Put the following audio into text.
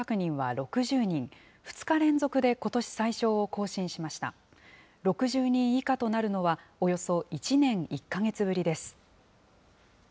６０人以下となるのはおよそ１年１か月ぶりです。